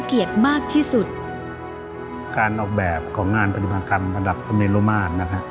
การออกแบบของงานปฏิบัติกรรมประดับคมเดนโรมาน